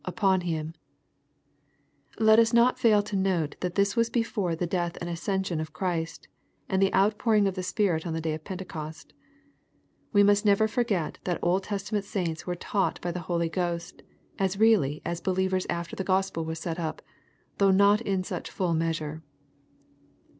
vpon him,] Let us not fail to note that this was before the death and ascension of Christ, and the outpouring of the Spirit on the day of Pentecost We must never forget that Old Testament saints were taught by the Holy Ghost, as really as believers after the Gospel was set up, though not in such full measure.